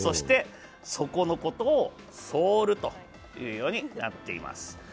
底のことをソールと言うようになっています。